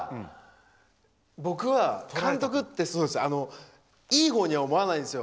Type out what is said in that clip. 僕は監督っていい方には思わないんですよ。